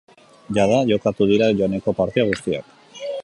Jada jokatu dira joaneko partida guztiak.